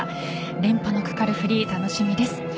連覇のかかるフリー楽しみです。